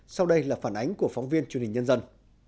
sau đây là phản ánh của phóng viên chương trình nhân dân